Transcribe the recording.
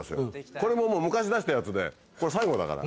これももう昔出したやつでこれ最後だから。